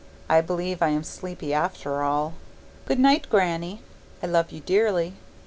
I believe I am sleepy after all. Good night, Granny. I love you dearly.